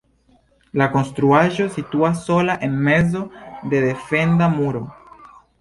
La konstruaĵo situas sola en mezo de defenda muro.